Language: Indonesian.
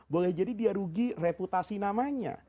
boleh jadi dia rugi reputasi namanya